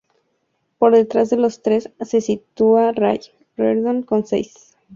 Por detrás de los tres se sitúa Ray Reardon con seis.